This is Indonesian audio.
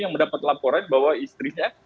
yang mendapat laporan bahwa istrinya